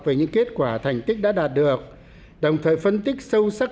về những kết quả thành tích đã đạt được đồng thời phân tích sâu sắc